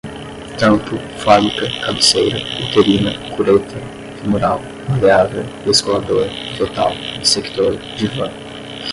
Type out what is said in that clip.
tampo, fórmica, cabeceira, uterina, cureta, femural, maleável, descolador, fetal, dissector, divã